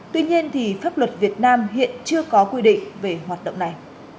tuy nhiên thì pháp luật việt nam hiện chưa có quy định về hoạt động này